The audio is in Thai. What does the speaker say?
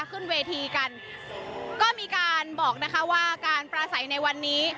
ขึ้นเวทีกันก็มีการบอกนะคะว่าการปราศัยในวันนี้